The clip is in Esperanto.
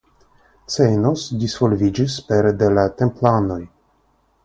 Ceinos disvolviĝis pere de la Templanoj.